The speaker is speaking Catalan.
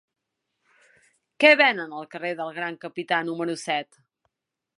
Què venen al carrer del Gran Capità número set?